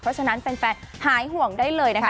เพราะฉะนั้นแฟนหายห่วงได้เลยนะคะ